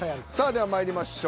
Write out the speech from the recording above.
ではまいりましょう。